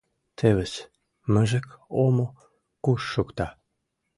Тевыс, мыжык омо куш шукта.